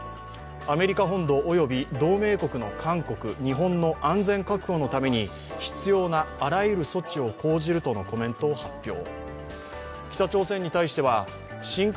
アメリカ本土および同盟国の韓国、日本の安全確保のために必要なあらゆる措置を講じるとのコメントを発表。